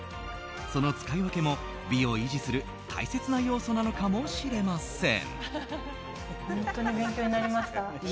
その使い分けも美を維持する大切な要素なのかもしれません。